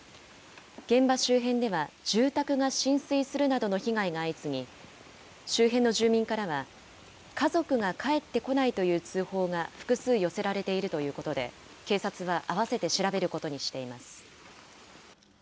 現場周辺では住宅が浸水するなどの被害が相次ぎ周辺の住民からは家族が帰ってこないという通報が複数寄せられているということで警察があわせて調べることにしています。